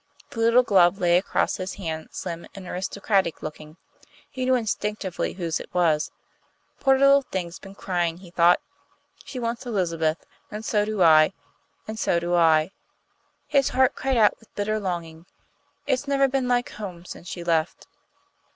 The little glove lay across his hand, slim and aristocratic looking. He knew instinctively whose it was. "Poor little thing's been crying," he thought. "She wants Elizabeth. And so do I! And so do I!" his heart cried out with bitter longing. "It's never been like home since she left."